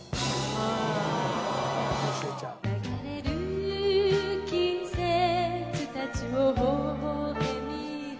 「流れる季節たちをほほえみで」